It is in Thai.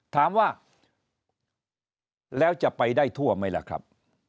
ถามว่าแล้วจะไปได้ทั่วไหมล่ะครับ